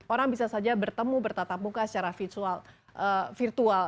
orang bisa saja bertemu bertatap muka secara virtual